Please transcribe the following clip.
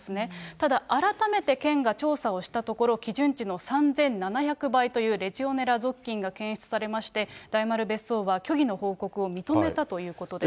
ただ、改めて県が調査をしたところ、基準値の３７００倍というレジオネラ属菌が検出されまして、大丸別荘は虚偽の報告を認めたということです。